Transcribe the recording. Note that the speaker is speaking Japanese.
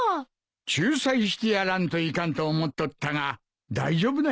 仲裁してやらんといかんと思っとったが大丈夫なようだな。